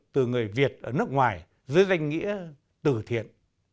từ người việt ở nước ngoài dưới danh nghĩa tử thiện